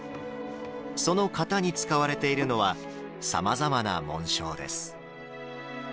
その型に使われているのはさまざまな紋章です。